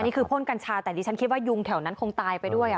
พ่นกัญชาแต่ดิฉันคิดว่ายุงแถวนั้นคงตายไปด้วย